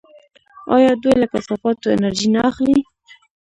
آیا دوی له کثافاتو انرژي نه اخلي؟